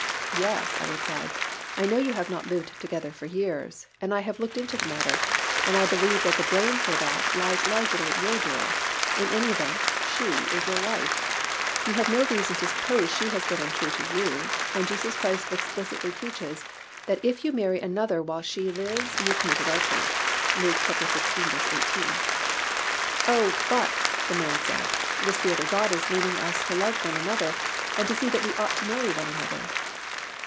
"Yes," I replied, "I know you have not lived together for years, and I have looked into the matter, and I believe that the blame for that lies largely at your door. In any event, she is your wife. You have no reason to suppose she has been untrue to you, and Jesus Christ explicitly teaches that if you marry another while she lives you commit adultery" (Luke xvi. 18). "Oh, but," the man said, "the Spirit of God is leading us to love one another and to see that we ought to marry one another."